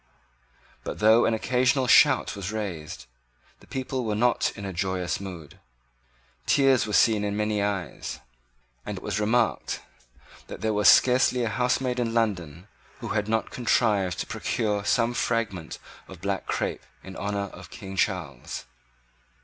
But, though an occasional shout was raised, the people were not in a joyous mood. Tears were seen in many eyes; and it was remarked that there was scarcely a housemaid in London who had not contrived to procure some fragment of black crepe in honour of King Charles.